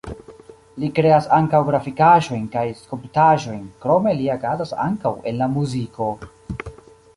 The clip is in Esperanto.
Li kreas ankaŭ grafikaĵojn kaj skulptaĵojn, krome li agadas ankaŭ en la muziko.